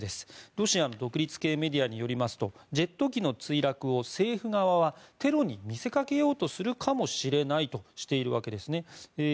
ロシアの独立系メディアによりますとジェット機の墜落を政府側はテロに見せかけようとするかもしれないとしているわけです。